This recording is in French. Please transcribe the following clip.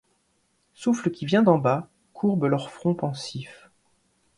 Souffle qui vient d'en bas, courbe leur front pensif.